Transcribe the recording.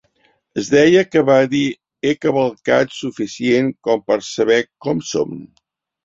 Es deia que va dir: "He cavalcat suficient com per saber com són.